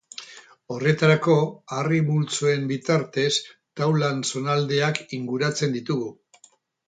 Horretarako, harri multzoen bitartez taulan zonaldeak inguratzen ditugu.